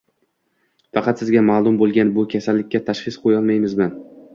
Faqat sizga ma’lum bo‘lgan bu kasallikka tashxis qo‘yolmaymizmi?